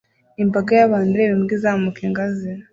Imbaga y'abantu ireba imbwa izamuka ingazi